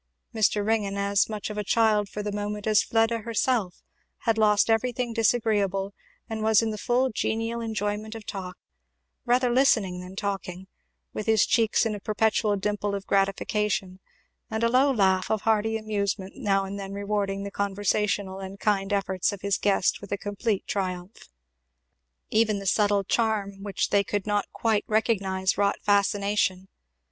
Mr. Ringgan, as much of a child for the moment as Fleda herself, had lost everything disagreeable and was in the full genial enjoyment of talk, rather listening than talking, with his cheeks in a perpetual dimple of gratification, and a low laugh of hearty amusement now and then rewarding the conversational and kind efforts of his guest with a complete triumph. Even the subtle charm which they could not quite recognise wrought fascination.